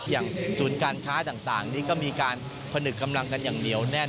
อย่างศูนย์การค้าต่างนี่ก็มีการผนึกกำลังกันอย่างเหนียวแน่น